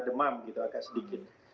demam agak sedikit